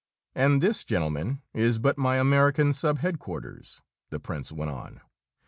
"And this, gentlemen, is but my American sub headquarters," the Prince went on.